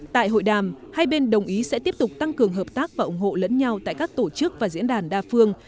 tại hội đàm hai bên đồng ý sẽ tiếp tục tăng cường hợp tác và ủng hộ lẫn nhau tại các tổ chức và diễn đàn đa phương